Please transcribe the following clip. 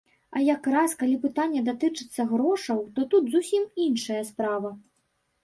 А як раз калі пытанне датычыцца грошаў, то тут зусім іншая справа.